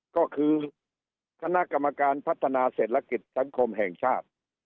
ก็คือคณะกรรมการพัฒนาเศรษฐกิจสังคมแห่งชาติ